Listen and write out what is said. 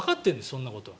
そんなことは。